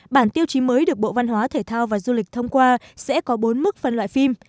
bản tiêu chí mới được bộ văn hóa thể thao và du lịch thông qua sẽ có bốn mức phân loại phim